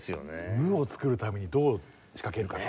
無を作るためにどう仕掛けるかね。